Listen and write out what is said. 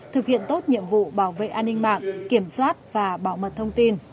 thực hiện tốt nhiệm vụ bảo vệ an ninh mạng kiểm soát và bảo mật thông tin